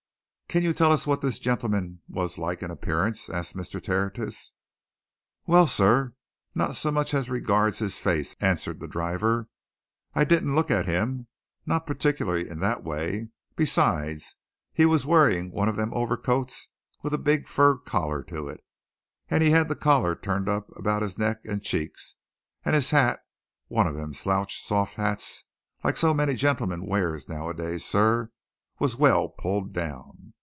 "Can you tell us what this gentleman was like in appearance?" asked Mr. Tertius. "Well, sir, not so much as regards his face," answered the driver. "I didn't look at him, not particular, in that way besides, he was wearing one of them overcoats with a big fur collar to it, and he'd the collar turned high up about his neck and cheeks, and his hat one of them slouched, soft hats, like so many gentlemen wears nowadays sir was well pulled down.